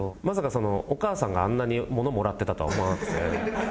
まさかそのお母さんがあんなにものもらってたとは思わなくて。